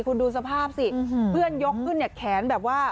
คุณดูสภาพสิเพื่อนยกขึ้นเนี่ยแขนแบบว่า